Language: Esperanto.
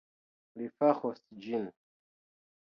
Li faros ĝin